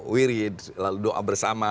wirid lalu doa bersama